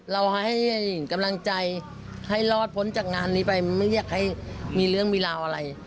เราให้กำลังใจให้รอดพ้นจากงานนี้ไปไม่อยากให้มีเรื่องมีราวอะไร